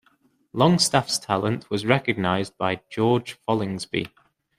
Longstaff's talent was recognised by George Folingsby.